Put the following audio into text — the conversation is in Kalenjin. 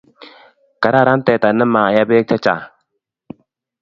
Kararan teta ne maye peek chechang